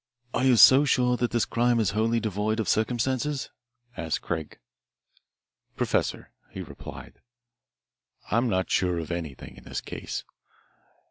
"Are you so sure that this crime is wholly devoid of circumstances?" asked Craig. "Professor," he replied, "I'm not sure of anything in this case.